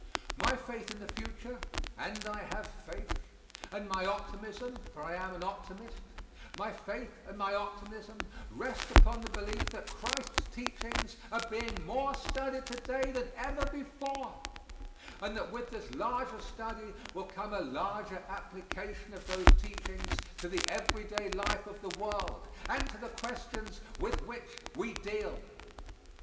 My faith in the future and I have faith and my optimism for I am an optimist my faith and my optimism rest upon the belief that Christ's teachings are being more studied to day than ever before, and that with this larger study will come a larger application of those teachings to the everyday life of the world, and to the questions with which we deal.